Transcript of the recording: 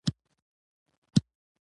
د حقیقت لاره تل ستونزمنه وي.